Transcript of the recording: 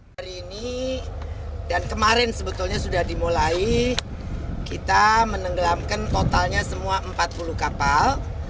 hari ini dan kemarin sebetulnya sudah dimulai kita menenggelamkan totalnya semua empat puluh kapal